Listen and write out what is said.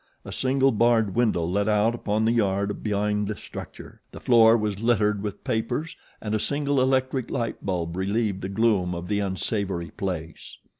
A single barred window let out upon the yard behind the structure. The floor was littered with papers, and a single electric light bulb relieved the gloom of the unsavory place.